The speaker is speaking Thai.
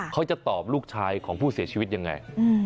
เขาจะตอบลูกชายของผู้เสียชีวิตยังไง